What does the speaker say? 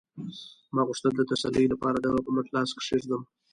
ما غوښتل د تسلۍ لپاره د هغې په مټ لاس کېږدم